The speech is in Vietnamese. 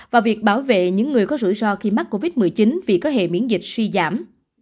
và việc bảo vệ những người có rủi ro khi mắc covid một mươi chín vì có hệ miễn dịch suy giảm